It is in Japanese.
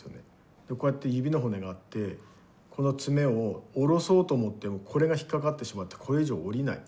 こうやって指の骨があってこの爪を下ろそうと思ってもこれが引っ掛かってしまってこれ以上下りない。